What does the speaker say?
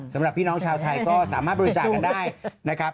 สำหรับพี่น้องชาวไทยก็สามารถบริจาคกันได้นะครับ